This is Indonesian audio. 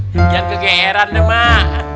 jangan kegeeran deh mak